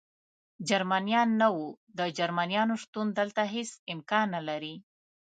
جرمنیان نه و، د جرمنیانو شتون دلته هېڅ امکان نه لري.